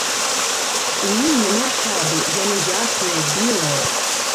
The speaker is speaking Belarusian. У ім няма чаду, яно яснае, белае.